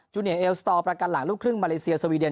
เนียเอลสตอร์ประกันหลังลูกครึ่งมาเลเซียสวีเดน